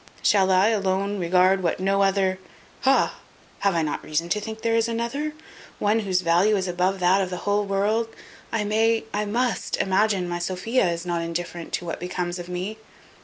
Shall I alone regard what no other Ha! have I not reason to think there is another? one whose value is above that of the whole world! I may, I must imagine my Sophia is not indifferent to what becomes of me.